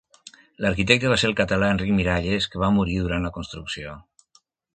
L'arquitecte va ser el català Enric Miralles, que va morir durant la construcció.